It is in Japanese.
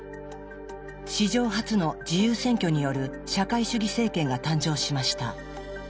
史上初の自由選挙による社会主義政権が誕生しました。